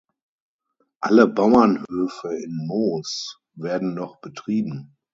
Alle Bauernhöfe in Moos werden noch betrieben.